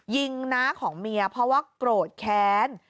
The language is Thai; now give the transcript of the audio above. ยิงหน้าของเมียเพราะว่ากรดแค้น